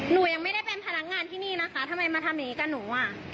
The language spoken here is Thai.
หนูยังไม่ได้เป็นพนักงานที่นี่นะคะทำไมมาทำอย่างนี้กับหนูอ่ะ